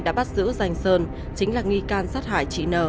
đã bắt giữ danh sơn chính là nghi can sát hại chị nờ